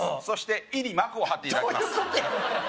そして胃に膜を張っていただきます